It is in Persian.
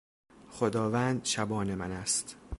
خداوند شبان من است...